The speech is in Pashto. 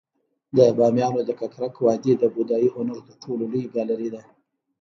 د بامیانو د ککرک وادي د بودايي هنر تر ټولو لوی ګالري ده